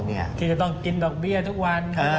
ที่จะต้องกินดอกเบี้ยทุกวัน